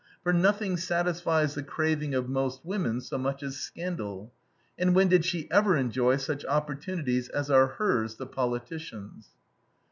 For nothing satisfies the craving of most women so much as scandal. And when did she ever enjoy such opportunities as are hers, the politician's?